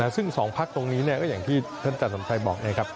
ซึ่ง๒พักตรงนี้ก็อย่างที่เพื่อนจันทร์สมภัยบอก